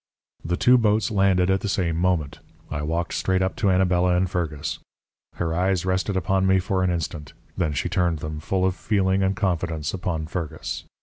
"The two boats landed at the same moment. I walked straight up to Anabela and Fergus. Her eyes rested upon me for an instant; then she turned them, full of feeling and confidence, upon Fergus.